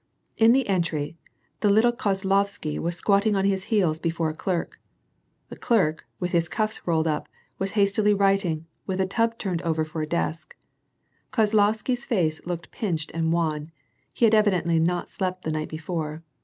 In the entry, the little Kozlovsky was squatting on his heels before a clerk. The clerk, with his cuffs rolled up, was hastily writing, with a tub turned over for a desk. Kozlovsky's face looked pinched and wan ; he had evidently not slept the night before.